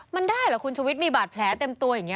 มันได้เหรอคุณชุวิตมีบาดแผลเต็มตัวอย่างนี้